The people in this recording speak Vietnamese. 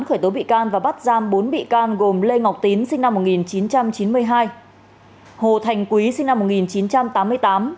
khởi tố bị can và bắt giam bốn bị can gồm lê ngọc tín sinh năm một nghìn chín trăm chín mươi hai hồ thành quý sinh năm một nghìn chín trăm tám mươi tám